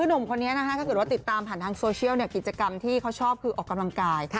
หนุ่มคนนี้นะคะถ้าเกิดว่าติดตามผ่านทางโซเชียลกิจกรรมที่เขาชอบคือออกกำลังกาย